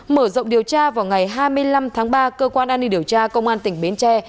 mở rộng điều tra vào ngày hai mươi năm tháng ba cơ quan an ninh điều tra công an tỉnh bến tre